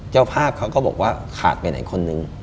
เจ้าภาพเขาก็บอกว่าขาดไปไหนคนนึง